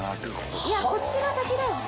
「いやこっちが先だよ！」。